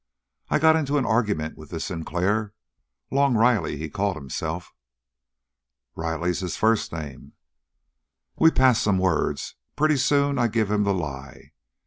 I got into an argument with this Sinclair Long Riley, he called himself." "Riley's his first name." "We passed some words. Pretty soon I give him the lie!